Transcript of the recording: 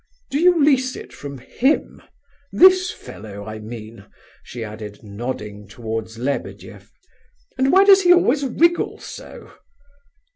Do you lease it from him?—this fellow, I mean," she added, nodding towards Lebedeff. "And why does he always wriggle so?"